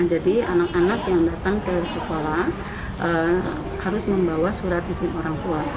jadi anak anak yang datang ke sekolah harus membawa surat izin orang tua